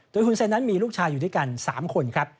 โดยคุณเซนนั้นมีลูกชายอยู่ด้วยกัน๓คนครับ